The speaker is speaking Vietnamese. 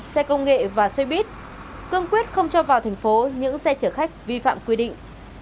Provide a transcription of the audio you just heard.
xe công nghệ và xe buýt cương quyết không cho vào thành phố những xe chở khách vi phạm quy định